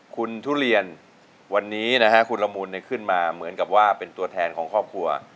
คุณทุเรียนวันนี้นะฮะคุณละมุนขึ้นมาเหมือนกับว่าเป็นตัวแทนของครอบครัว